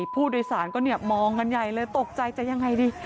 ผู้โดยสารก็มองกันใหญ่เลยตกใจจะยังไงดี